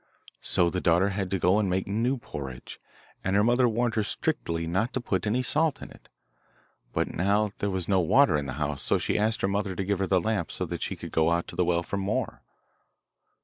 So the daughter had to go and make new porridge, and her mother warned her strictly not to put any salt in it. But now there was no water in the house, so she asked her mother to give her the lamp, so that she could go to the well for more.